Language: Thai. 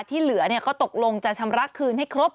ที่เหลือก็ตกลงจะชำระคืนให้ครบ